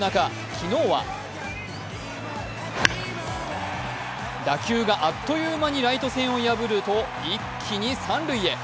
昨日は打球があっという間にライト線を破ると、一気に三塁へ。